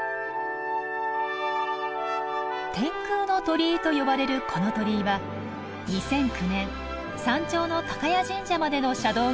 天空の鳥居と呼ばれるこの鳥居は２００９年山頂の高屋神社までの車道が完成した記念に建てられました。